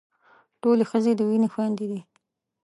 ټولې ښځې د وينې خويندې دي.